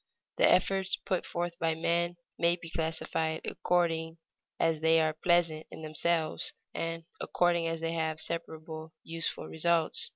The efforts put forth by men may be classified according as they are pleasant in themselves, and according as they have separable useful results.